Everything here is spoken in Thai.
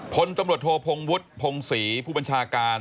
พลตำรวจโทพงวุฒิพงศรีผู้บัญชาการ